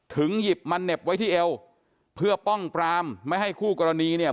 หยิบมาเหน็บไว้ที่เอวเพื่อป้องปรามไม่ให้คู่กรณีเนี่ย